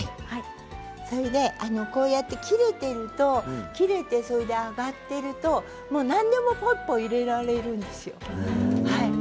それでこうやって切れていると切れて、揚がっていると何でもぽいぽい入れられるんですよ。